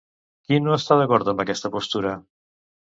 Qui no està d'acord amb aquesta postura?